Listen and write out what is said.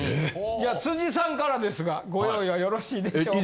じゃあさんからですがご用意はよろしいでしょうか？